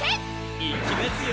行きますよ！